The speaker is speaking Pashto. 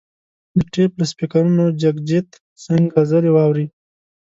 د ټیپ له سپیکرونو جګجیت سنګ غزلې واوري.